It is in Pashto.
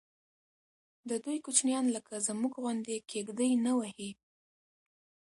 ددوی کوچیان لکه زموږ غوندې کېږدۍ نه وهي.